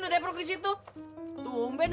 tem degrading tektur d